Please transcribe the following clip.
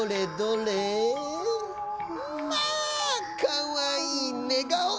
かわいいねがお！